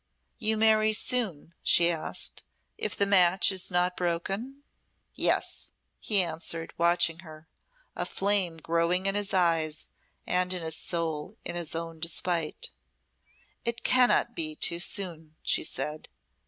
"You marry soon," she asked "if the match is not broken?" "Yes," he answered, watching her a flame growing in his eyes and in his soul in his own despite. "It cannot be too soon," she said.